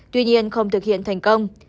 tuy nhiên không thực hiện thành công